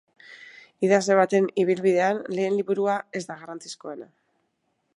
Idazle baten ibilbidean lehen liburua ez da garrantzizkoena.